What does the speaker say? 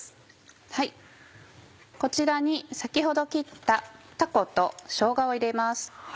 こちらに先ほど切ったたことしょうがを入れます。